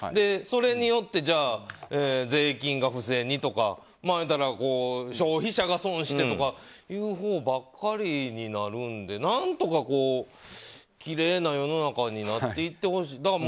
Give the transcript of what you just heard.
それによって、税金が不正にとか消費者が損をしてとかいうほうばかりになるので何とか、きれいな世の中になっていってほしい。